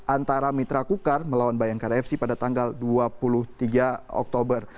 antara mitra kukar melawan bayangkara fc pada tanggal dua puluh tiga oktober